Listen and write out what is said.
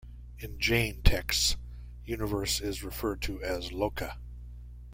In Jain texts, universe is referred to as Loka.